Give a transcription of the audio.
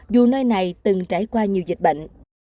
dù nơi này từng trải qua nhiều dịch bệnh